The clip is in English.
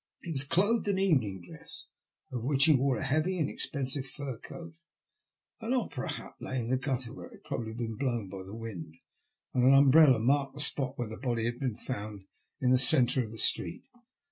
He was clothed in evening dress, over which he wore a heavy and expensive fur coat. An opera hat lay in the gutter, where it had probably been blown by the wind, and an umbrella marked the spot where the body had been found in the centre of the street.